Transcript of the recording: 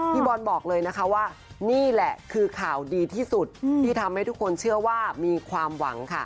พี่บอลบอกเลยนะคะว่านี่แหละคือข่าวดีที่สุดที่ทำให้ทุกคนเชื่อว่ามีความหวังค่ะ